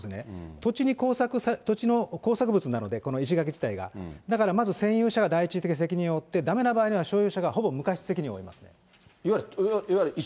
土地に工作、土地の工作物なので、この石垣自体が、だからまず占有者が第一義的に責任を負って、だめな場合には、所有者がほぼ無価値責任を負います。